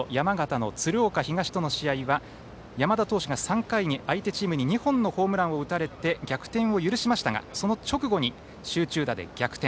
そして２回戦の試合は３回に相手チームに２本のホームランを打たれて逆転を許しましたがその直後に集中打で逆転。